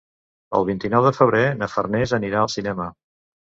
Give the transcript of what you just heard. El vint-i-nou de febrer na Farners anirà al cinema.